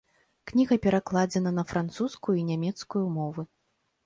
Кніга перакладзена на французскую і нямецкую мовы.